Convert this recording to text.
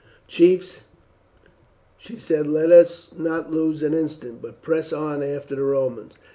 "Chiefs," she said, "let us not lose an instant, but press on after the Romans.